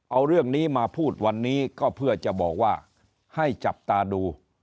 เอาเรื่องนี้มาพูดวันนี้ก็เพื่อจะบอกว่าให้จับตาดู